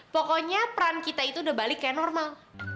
pokoknya peran kita itu udah balik kayak normal